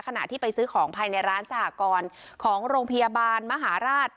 ขณะที่ไปซื้อของภายในร้านสหกรณ์ของโรงพยาบาลมหาราช